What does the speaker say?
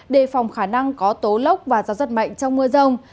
đề phòng khả năng có tố lốc và gió rất mạnh trong mưa rông